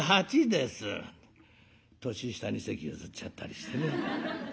年下に席譲っちゃったりしてね。